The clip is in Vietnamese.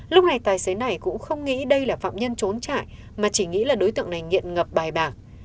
lúc này tài xế này cũng không nghĩ đây là phạm nhân trốn trại mà chỉ nghĩ là đối tượng này nghiện ngập bài bạc